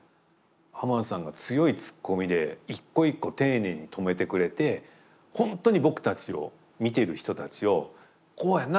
浜田さんが強いツッコミで一個一個丁寧に止めてくれて本当に僕たちを見てる人たちを「こうやんな。